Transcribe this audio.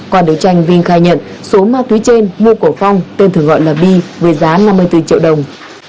qua đối tranh viên khai nhận số ma túy trên mua cổ phong tên thường gọi là bi với giá năm mươi bốn triệu đồng